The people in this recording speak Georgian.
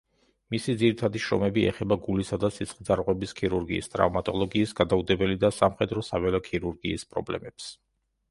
მისი ძირითადი შრომები ეხება გულისა და სისხლძარღვების ქირურგიის, ტრავმატოლოგიის, გადაუდებელი და სამხედრო-საველე ქირურგიის პრობლემებს.